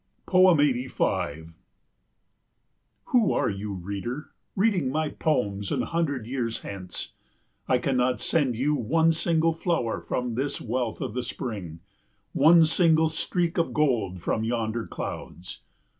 85 Who are you, reader, reading my poems an hundred years hence? I cannot send you one single flower from this wealth of the spring, one single streak of gold from yonder clouds.